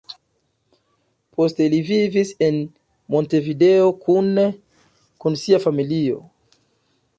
Poste li vivis en Montevideo kune kun sia familio.